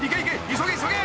［急げ急げ！